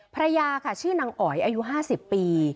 ภรรยาค่ะชื่อนางอ๋อยอายุ๕๐ปี